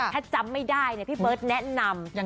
ถ้าจำไม่ได้พี่เบิร์ตแนะนำ